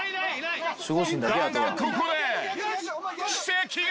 ［だがここで奇跡が］